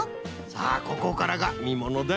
さあここからがみものだ。